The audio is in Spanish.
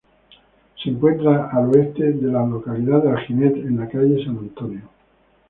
Se encuentra al oeste de la localidad de Alginet, en la calle San Antonio.